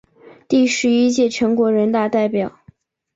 第十一届全国人大代表。